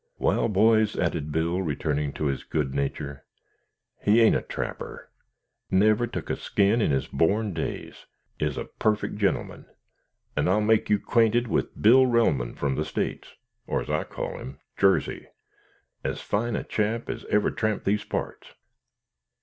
"Wal, boys," added Bill, returning to his good nature, "he ain't a trapper; never took a skin in his born days; is a parfect gentleman, and I'll make you 'quainted with Bill Relmond, from the States, or, as I call him, Jarsey, as fine a chap as ever tramped these parts."